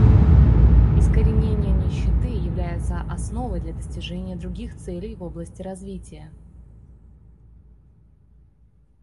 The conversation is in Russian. Искоренение нищеты является основой для достижения других целей в области развития.